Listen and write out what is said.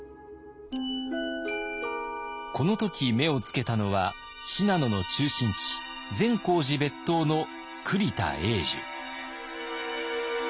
この時目をつけたのは信濃の中心地善光寺別当の栗田永寿。